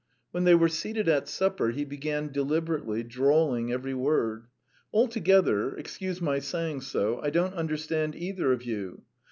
When they were seated at supper, he began deliberately, drawling every word: "Altogether, excuse my saying so, I don't understand either of you.